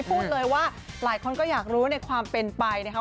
พูดเลยว่าหลายคนก็อยากรู้ในความเป็นไปนะครับ